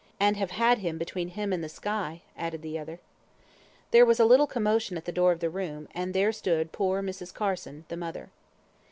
"And have had him between him and the sky," added the other. There was a little commotion at the door of the room, and there stood poor Mrs. Carson, the mother.